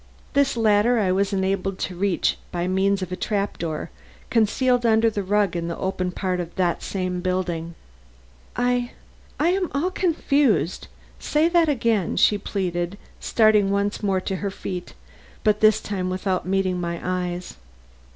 This latter I was enabled to reach by means of a trap door concealed under the rug in the open part of this same building." "I I am all confused. Say that again," she pleaded, starting once more to her feet, but this time without meeting my eyes.